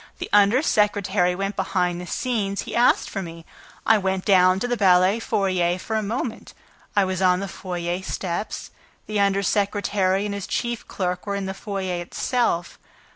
The under secretary went behind the scenes. He asked for me. I went down to the ballet foyer for a moment. I was on the foyer steps ... The under secretary and his chief clerk were in the foyer itself.